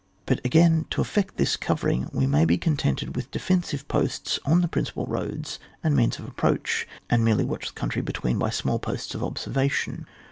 But again to effect this covering, we may be contented with defensive posts on the principal roads and means of approach, and merely watch the country between by small posts of observation.